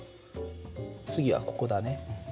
次はここだね。